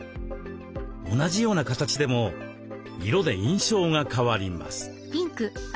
同じような形でも色で印象が変わります。